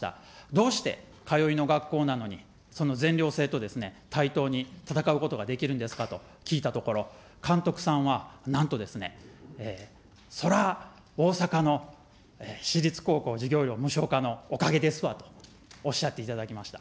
どうして、通いの学校なのに、全寮制と対等に戦うことができるんですかと、聞いたところ、監督さんはなんとですね、それは、大阪の私立高校授業料無償化のおかげですわとおっしゃっていただきました。